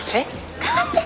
代わって。